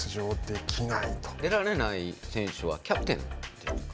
出られない選手はキャプテンですか？